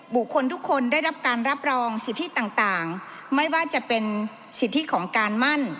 บุคคลทุกคนได้รับการรับรองสิทธิต่างไม่ว่าจะเป็นสิทธิของการมั่น